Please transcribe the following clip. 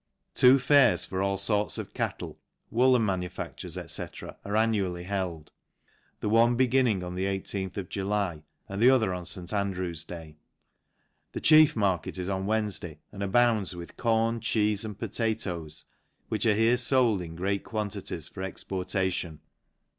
Two fairs, for all forts of cattle, woollen manufactures, &c, are annually held, the one beginning on the 1 8th oVjufjji and the other on St. Andrew's day. The chief mar ket is on Wednesday, and abounds with corn, cheefe, and potatoes, which are here fold in great quantities for exportation.